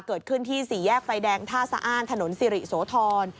เกิดขึ้นที่สี่แยกไฟแดงท่าสะอ้านถนนสิริโสธร